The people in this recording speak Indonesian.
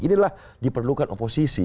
inilah diperlukan oposisi